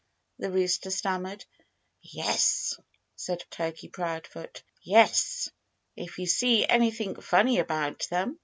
the rooster stammered. "Yes!" said Turkey Proudfoot. "Yes if you see anything funny about them.